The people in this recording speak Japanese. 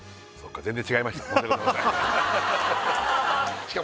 全然違いました